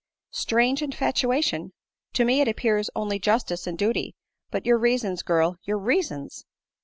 " Strange infatuation ! To me it appears only justice and duty. But your reasons, girl, your reasons